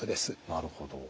なるほど。